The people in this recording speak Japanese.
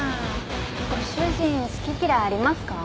ご主人好き嫌いありますか？